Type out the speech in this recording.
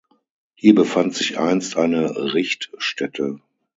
Hier befand sich einst eine Richtstätte.